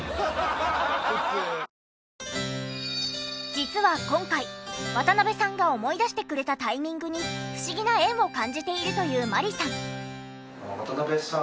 実は今回渡辺さんが思い出してくれたタイミングに不思議な縁を感じているという万里さん。